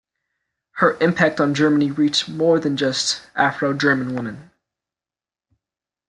Her impact on Germany reached more than just Afro-German women.